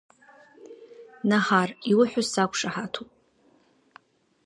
Наҳар, иуҳәаз сақәшаҳаҭуп…